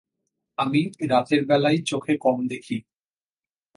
আমি রাতের বেলায় চোখে কম দেখি।